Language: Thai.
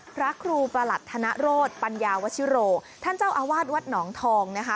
พระครูประหลัดธนโรธปัญญาวชิโรท่านเจ้าอาวาสวัดหนองทองนะคะ